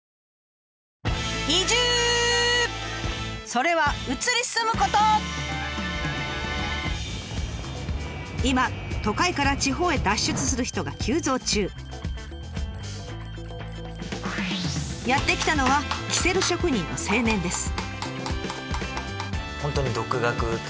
それは今都会から地方へ脱出する人が急増中。やって来たのはキセル職人の青年です。